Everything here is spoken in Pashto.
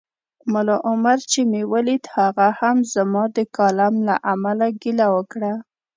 ملا عمر چي مې ولید هغه هم زما د کالم له امله ګیله وکړه